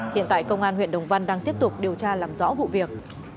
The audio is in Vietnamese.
hiện tại công an huyện đồng văn đang tiếp tục điều tra làm rõ vụ việc